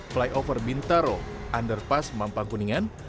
flyover bintaro underpass mampang kuningan